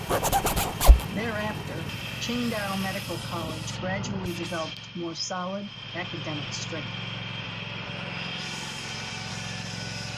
Thereafter, Qingdao Medical College gradually developed more solid academic strength.